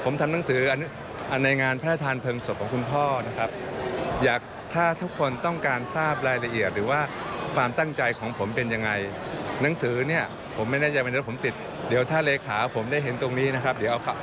มาไปฟังเสียงของท่านเลยครับ